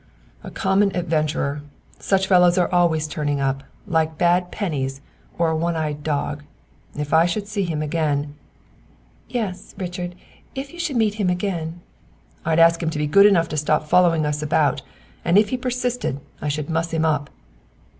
"A common adventurer! Such fellows are always turning up, like bad pennies, or a one eyed dog. If I should see him again " "Yes, Richard, if you should meet again " "I'd ask him to be good enough to stop following us about, and if he persisted I should muss him up."